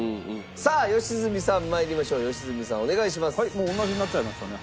もう同じになっちゃいましたね。